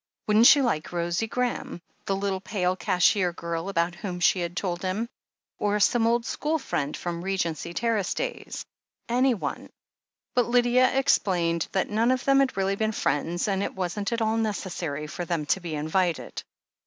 Wouldn't she like Rosie Graham, the little pale cashier girl about whom she had told him ? or some old school friend from the Regency Terrace days ? Anyone, But Lydia explained that none of them had really been friends, and it wasn't at all necessary for them to be invited.